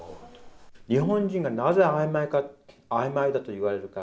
日本人がなぜあいまいかあいまいだと言われるか。